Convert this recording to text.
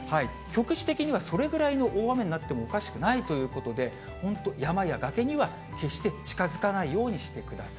局地的には、それぐらいの大雨になってもおかしくないということで、ほんと、山や崖には決して近づかないようにしてください。